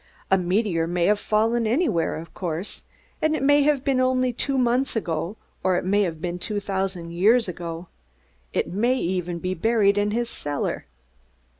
A meteor may have fallen anywhere, of course, and it may have been only two months ago, or it may have been two thousand years ago. It may even be buried in his cellar."